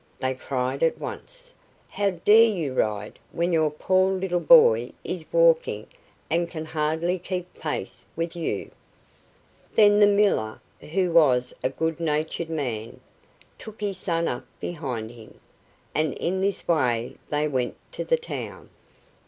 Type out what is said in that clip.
they cried at once. "How dare you ride when your poor little boy is walking and can hardly keep pace with you?" Then the miller, who was a good natured man, took his son up behind him, and in this way they went to the town.